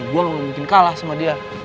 gue gak mungkin kalah sama dia